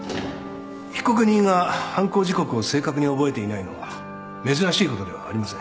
被告人が犯行時刻を正確に覚えていないのは珍しいことではありません。